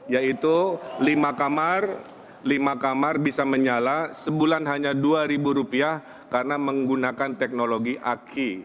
yaitu lima kamar lima kamar bisa menyala sebulan hanya rp dua karena menggunakan teknologi aki